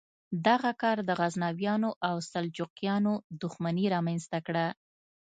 دغه کار د غزنویانو او سلجوقیانو دښمني رامنځته کړه.